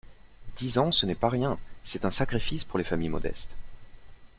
Dix ans, ce n’est pas rien, c’est un sacrifice pour les familles modestes.